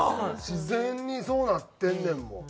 自然にそうなってんねんもん。